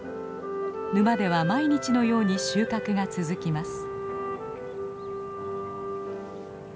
沼では毎日のように収穫が続きます。